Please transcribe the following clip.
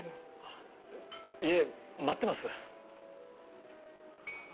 いえ待ってます。